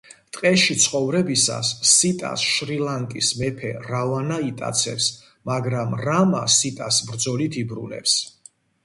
ტყეში ცხოვრებისას სიტას შრი-ლანკის მეფე რავანა იტაცებს, მაგრამ რამა სიტას ბრძოლით იბრუნებს.